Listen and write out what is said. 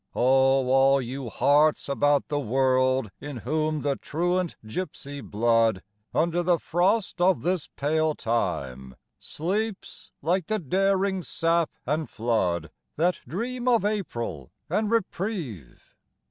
O all you hearts about the world In whom the truant gipsy blood, Under the frost of this pale time, Sleeps like the daring sap and flood That dream of April and reprieve!